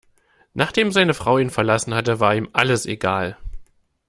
Nachdem seine Frau ihn verlassen hatte, war ihm alles egal.